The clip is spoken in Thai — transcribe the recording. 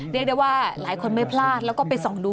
เรียกได้ว่าหลายคนไม่พลาดแล้วก็ไปส่องดู